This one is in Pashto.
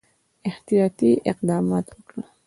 احتیاطي اقدمات وکړل.